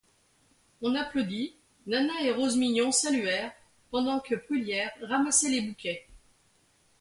On applaudit, Nana et Rose Mignon saluèrent, pendant que Prullière ramassait les bouquets.